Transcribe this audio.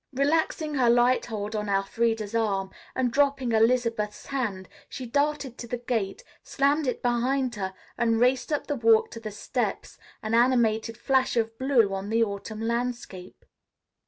Relaxing her light hold on Elfreda's arm and dropping Elizabeth's hand, she darted to the gate, slammed it behind her and raced up the walk to the steps, an animated flash of blue on the autumn landscape.